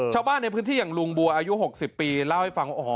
ชาวบ้านในพื้นที่อย่างลุงบัวอายุ๖๐ปีเล่าให้ฟังว่าโอ้โห